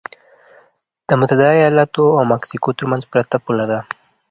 دا د متحده ایالتونو او مکسیکو ترمنځ پرته پوله ده.